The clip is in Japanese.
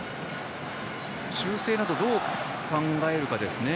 修正など、どう考えるかですね